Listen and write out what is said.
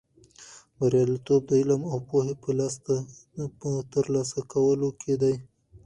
بریالیتوب د علم او پوهې په ترلاسه کولو کې دی.